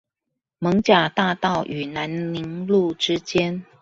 艋舺大道與南寧路之間